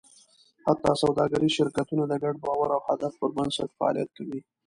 حتی سوداګریز شرکتونه د ګډ باور او هدف پر بنسټ فعالیت کوي.